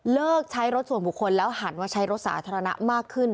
เลิกใช้รถส่วนบุคคลแล้วหันมาใช้รถสาธารณะมากขึ้น